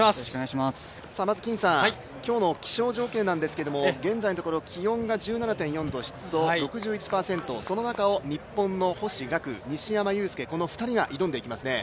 まず金さん、今日の気象条件なんですけども気温が１７．４度湿度６１％の中を、日本の星岳西山雄介、この２人が挑んでいきますね。